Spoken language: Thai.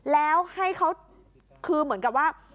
แล้วให้เขาคือเหมือนกับว่า